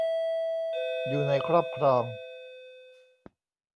อยู่ในครอบครอง